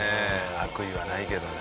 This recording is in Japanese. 悪意はないけどね。